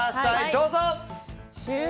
どうぞ！